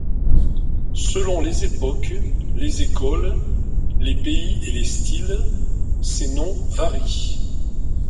Selon les époques, les écoles, les pays et les styles, ces noms varient.